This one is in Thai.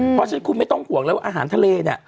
เพราะฉะนั้นคุณไม่ต้องห่วงแล้วว่าอาหารทะเลเนี่ย